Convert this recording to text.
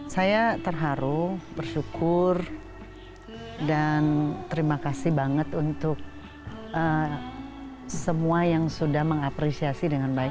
saya terharu bersyukur dan terima kasih banget untuk semua yang sudah mengapresiasi dengan baik